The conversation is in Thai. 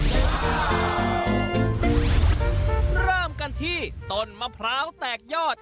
เริ่มกันที่ต้นมะพร้าวแตกยอด